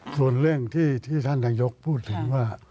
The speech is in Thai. ส่วนเรื่องที่ท่านนายกพูดถึงว่า